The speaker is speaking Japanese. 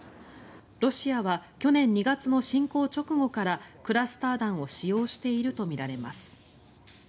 ロシアは去年２月の侵攻直後からクラスター弾を使用しているとみられます。